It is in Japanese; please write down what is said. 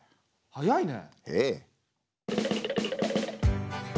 早いね。